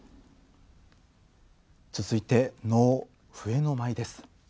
続いて能「笛の舞」です。